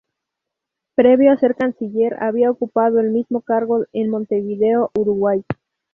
Previo a ser canciller había ocupado el mismo cargo en Montevideo, Uruguay.